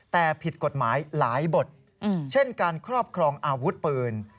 แต่ผิดกฎหมายหลายบทเช่นการครอบครองอาวุธปืน